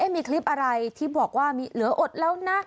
มีคลิปอะไรที่บอกว่ามีเหลืออดแล้วนะ